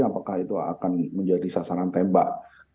apakah itu akan menjadi sasaran tembak